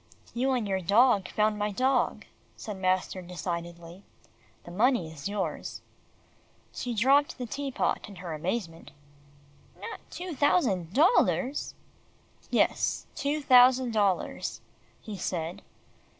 "You and your dog found my dog," said master decidedly. "The money is yours." She dropped the tea pot in her amazement. "Not two thousand dollars." "Yes, two thousand dollars," he said.